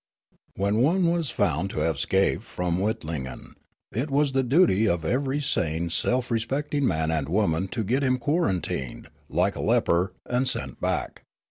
When one was found to have escaped from Witlingen, it was the duty of every sane self respecting man and woman to get him quarantined, like a leper, and sent back.